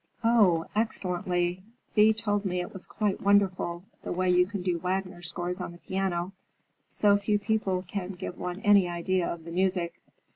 "Oh, excellently! Thea told me it was quite wonderful, the way you can do Wagner scores on the piano. So few people can give one any idea of the music.